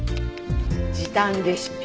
時短レシピ。